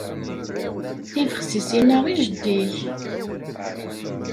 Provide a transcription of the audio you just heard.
Tibexsisin-a i jeddi-k.